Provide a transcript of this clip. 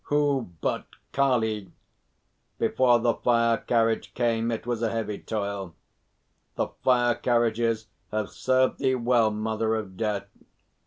Who but Kali? Before the fire carriage came it was a heavy toil. The fire carriages have served thee well, Mother of Death.